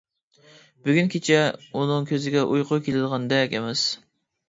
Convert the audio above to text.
بۈگۈن كېچە ئۇنىڭ كۆزىگە ئۇيقۇ كېلىدىغاندەك ئەمەس.